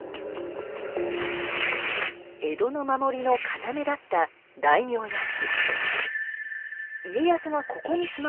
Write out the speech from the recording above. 江戸の守りの要だった大名屋敷。